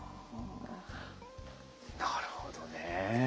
なるほどね。